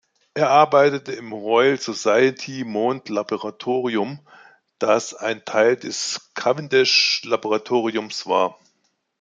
Er arbeitete im "Royal Society Mond Laboratorium", das ein Teil des Cavendish-Laboratoriums war.